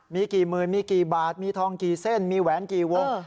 มีกี่หมื่นมีกี่บาทมีทองกี่เส้นมีแหวนกี่วง